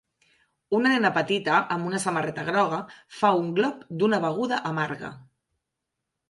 Una nena petita amb una samarreta groga fa un glop d'una beguda amarga